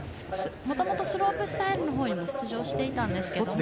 もともとスロープスタイルにも出場していたんですけども。